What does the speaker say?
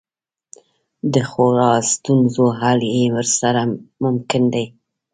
د خورا ستونزو حل یې ورسره ممکن دی.